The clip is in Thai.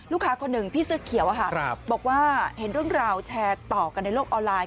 คนหนึ่งพี่เสื้อเขียวบอกว่าเห็นเรื่องราวแชร์ต่อกันในโลกออนไลน